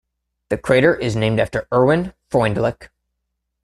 The crater is named after Erwin Freundlich.